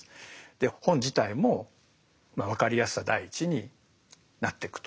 で本自体も分かりやすさ第一になってくと。